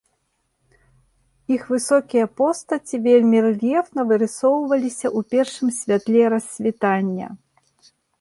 Іх высокія постаці вельмі рэльефна вырысоўваліся ў першым святле рассвітання.